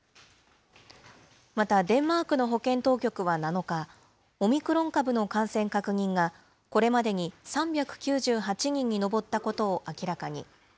またデンマークの保健当局は７日、オミクロン株の感染確認が、これまでに３９８人に上ったことを明らかに。